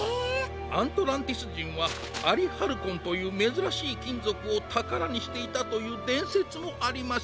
アントランティスじんはアリハルコンというめずらしいきんぞくをたからにしていたというでんせつもあります。